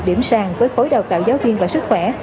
điểm sàn với khối đào tạo giáo viên và sức khỏe